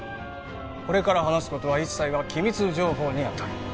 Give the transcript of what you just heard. これから話すことは一切が機密情報に当たる